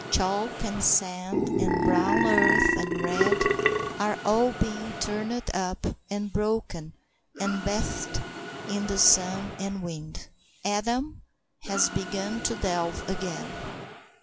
Chalk and sand and brown earth and red are all being turned up and broken and bathed in the sun and wind. Adam has begun to delve again.